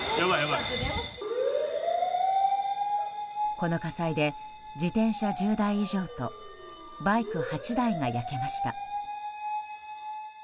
この火災で自転車１０台以上とバイク８台が焼けました。